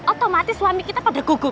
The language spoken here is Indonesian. otomatis suami kita pada gugup